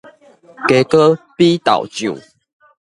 雞膏比豆醬